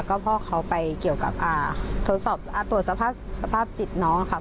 ก็พ่อเขาไปเกี่ยวกับตรวจสภาพจิตน้องครับ